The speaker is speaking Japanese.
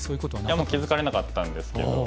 いや気付かれなかったんですけど。